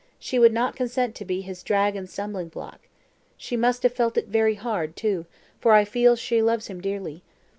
She would not consent to be his drag and stumbling block. She must have felt it very hard, too; for I feel she loves him dearly.